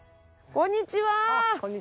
こんにちは。